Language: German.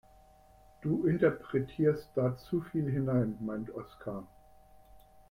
Du interpretierst da zu viel hinein, meint Oskar.